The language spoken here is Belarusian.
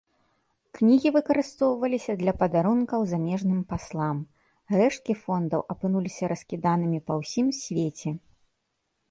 Кнігі выкарыстоўваліся для падарункаў замежным паслам, рэшткі фондаў апынуліся раскіданымі па ўсім свеце.